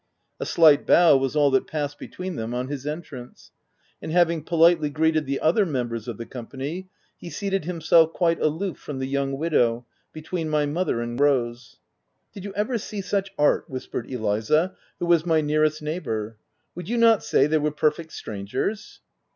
A slight bow was all that passed between them on his entrance ; OF WILDFELL HALL. 155 and having politely greeted the other members of the company ; he seated himself quite aloof from the young widow, between my mother and Rose. "Did you ever see such art !" whispered Eliza, who was my nearest neighbour. "Would you not say they were perfect strangers